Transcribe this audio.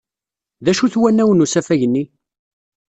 D acu-t wanaw n usafag-nni?